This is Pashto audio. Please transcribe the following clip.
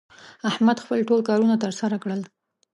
احمد خپل ټول کارونه تر سره کړل